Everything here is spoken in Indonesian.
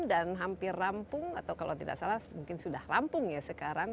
dan sudah hampir rampung atau kalau tidak salah mungkin sudah rampung ya sekarang